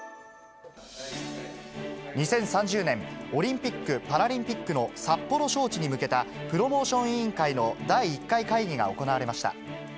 ２０３０年オリンピック・パラリンピックの札幌招致に向けたプロモーション委員会の第１回会議が行われました。